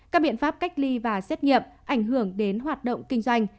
các biện pháp cách ly và xét nghiệm ảnh hưởng đến hoạt động kinh doanh